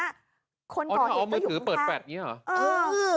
คนก่อเหตุก็อยู่ข้างอ๋อถ้าเอามือถือเปิดแปดอย่างนี้เหรอ